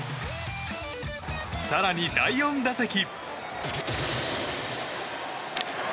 更に第４打席。